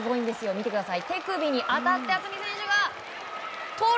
見てください、手首に当たって渥美選手がとる！